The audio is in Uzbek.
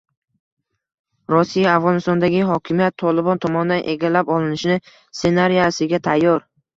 Rossiya Afg‘onistondagi hokimiyat “Tolibon” tomonidan egallab olinishi ssenariysiga tayyor